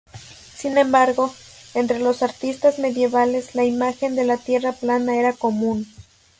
Sin embargo, entre los artistas medievales, la imagen de la Tierra plana era común.